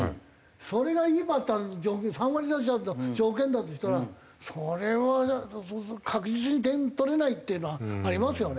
それがいいバッターの条件３割打者条件だとしたらそれは確実に点取れないっていうのはありますよね。